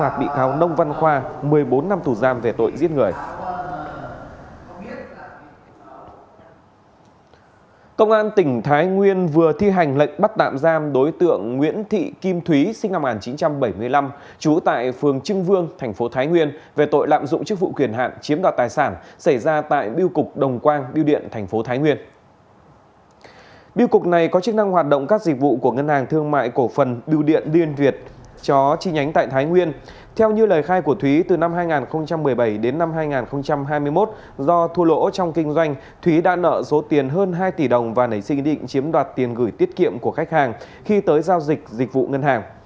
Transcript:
theo như lời khai của thúy từ năm hai nghìn một mươi bảy đến năm hai nghìn hai mươi một do thua lỗ trong kinh doanh thúy đã nợ số tiền hơn hai tỷ đồng và nảy sinh định chiếm đoạt tiền gửi tiết kiệm của khách hàng khi tới giao dịch dịch vụ ngân hàng